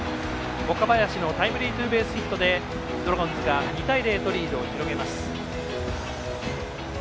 岡林のタイムリーツーベースヒットでドラゴンズが２対０とリードを広げます。